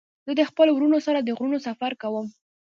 زه د خپلو ورونو سره د غرونو سفر کوم.